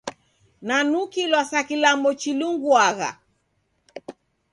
Nanukilwa sa kilambo chilinguagha.